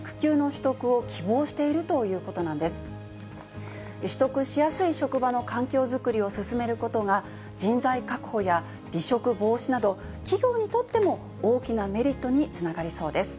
取得しやすい職場の環境作りを進めることが、人材確保や離職防止など、企業にとっても、大きなメリットにつながりそうです。